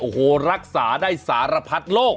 โอ้โหรักษาได้สารพัดโรค